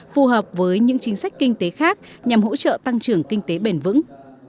phù hợp với những chính sách kinh tế khác nhằm hỗ trợ tăng trưởng kinh tế bền vững